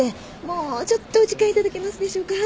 もうちょっとお時間頂けますでしょうか？